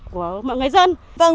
của mọi người dân